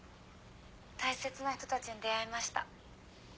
大切な人たちに出会いました。